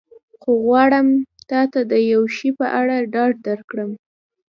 خو غواړم تا ته د یو شي په اړه ډاډ درکړم.